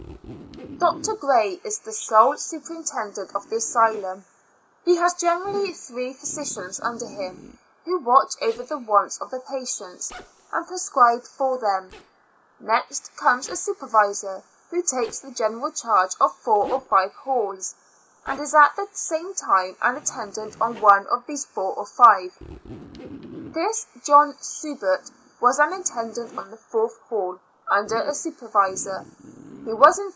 Doctor Gray is the sole superintendent of the asylum.' He has generally three physicians under him, who watch over the wants of the patients, and prescribe for them. Next comes a supervisor, who takes the general charge of four or five halls, and is at the same time an attendant on one of these four or ^yq. This John Subert was an attendant on the fourth hall, under a supervisor; he was, in.